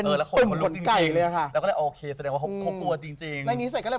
นั่งรถคือยังไงคะ